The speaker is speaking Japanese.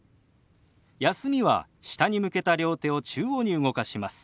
「休み」は下に向けた両手を中央に動かします。